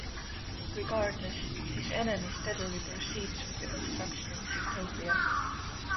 Regardless, his enemy steadily proceeds with the construction of his utopia.